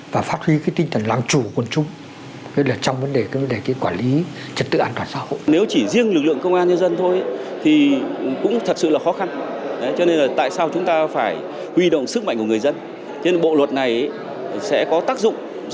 và phát huy tinh thần làm chủ của quân chúng